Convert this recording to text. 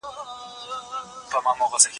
دغي مڼې ته وګوره چي څونه سره ده.